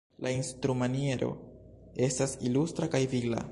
La instrumaniero estas ilustra kaj vigla.